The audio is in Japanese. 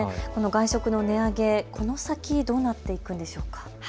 外食の値上げ、この先どうなっていくんでしょうか。